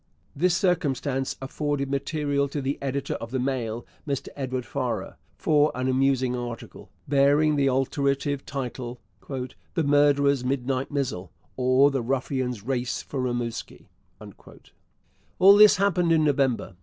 This circumstance afforded material to the editor of the Mail, Mr Edward Farrer, for an amusing article, bearing the alliterative title, 'The Murderer's Midnight Mizzle, or the Ruffian's Race for Rimouski.' All this happened in November.